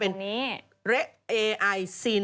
ปล่อยให้เบลล่าว่าง